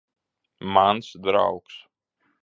Mans draugs.